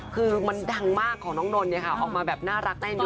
คือมันดังมากของน้องนนท์เนี่ยค่ะออกมาแบบน่ารักได้ดู